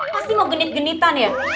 pasti mau genit genitan ya